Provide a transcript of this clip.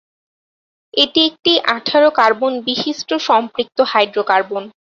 এটি একটি আঠারো কার্বন বিশিষ্ট সম্পৃক্ত হাইড্রোকার্বন।